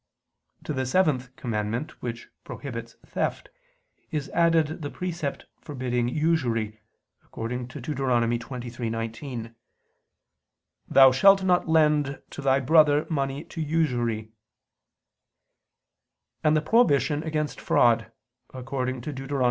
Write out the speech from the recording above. To the seventh commandment which prohibits theft, is added the precept forbidding usury, according to Deut. 23:19: "Thou shalt not lend to thy brother money to usury"; and the prohibition against fraud, according to Deut.